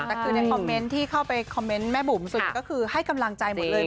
แต่คือในคอมเม้นท์ที่เข้าไปคอมเม้บุ๋มสุดก็คือให้กำลังใจหมดเลย